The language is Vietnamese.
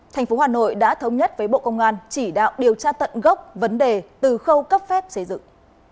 thành phố hà nội đã thống nhất với bộ công an chỉ đạo điều tra tận gốc vấn đề từ khâu cấp phép xây dựng